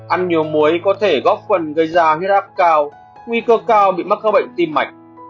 ăn nhiều muối có thể góp phần gây ra huyết áp cao nguy cơ cao bị mắc các bệnh tim mạch